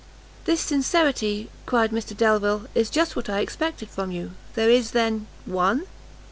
"This sincerity," cried Mrs Delvile, "is just what I expected from you. There is, then, one?"